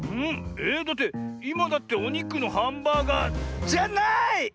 えっだっていまだっておにくのハンバーガーじゃない！